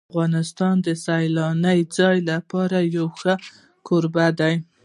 افغانستان د سیلاني ځایونو لپاره یو ښه کوربه دی.